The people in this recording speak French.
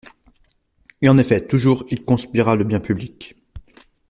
Et en effet toujours il conspira le bien public.